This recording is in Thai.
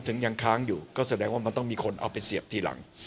ยังค้างอยู่ก็แสดงว่ามันต้องมีคนเอาไปเสียบทีหลัง